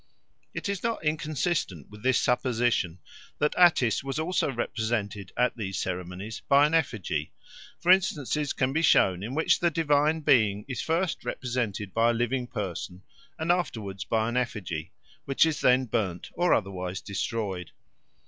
It is not inconsistent with this supposition that Attis was also represented at these ceremonies by an effigy; for instances can be shown in which the divine being is first represented by a living person and afterwards by an effigy, which is then burned or otherwise destroyed.